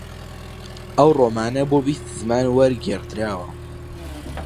ئەو ڕۆمانە بۆ بیست زمان وەرگێڕدراوە